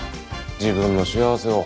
自分の幸せを。